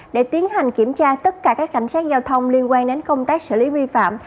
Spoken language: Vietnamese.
để tiến hành kiểm tra tất cả các cảnh sát giao thông liên quan đến công tác xử lý vi phạm